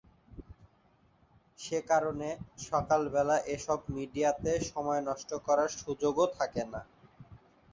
সেকারণে, সকালবেলা এসব মিডিয়াতে সময় নষ্ট করার সুযোগ ও থাকে না।